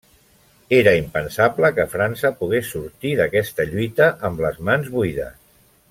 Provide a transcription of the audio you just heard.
Era impensable que França pogués sortir d'aquesta lluita amb les mans buides.